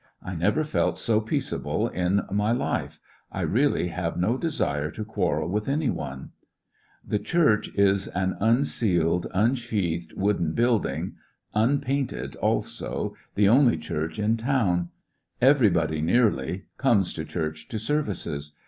I never felt so peace able in my life. I really have no desire to quarrel with any one. "The church is an unceiled, unsheathed 118 'Missionary Jn ifje Great West wooden bmldingj mipaaoted aJso, tlie only dmrch in town. Everybody nearly comes to church to services.